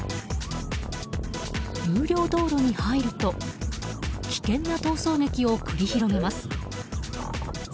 有料道路に入ると危険な逃走劇を繰り広げます。